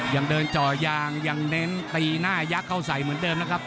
ยังเดินจ่อยางยังเน้นตีหน้ายักษ์เข้าใส่เหมือนเดิมนะครับ